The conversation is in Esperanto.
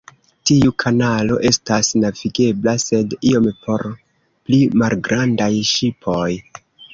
Tiu kanalo estas navigebla, sed iom por pli malgrandaj ŝipoj.